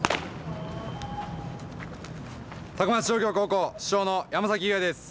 高松商業高校主将の山崎悠矢です。